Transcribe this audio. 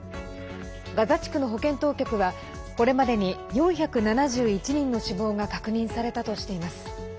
ガザ地区の保健当局はこれまでに４７１人の死亡が確認されたとしています。